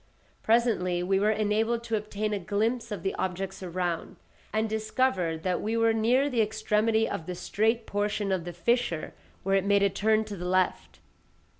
Presently we were enabled to obtain a glimpse of the objects around, and discovered that we were near the extremity of the straight portion of the fissure, where it made a turn to the left.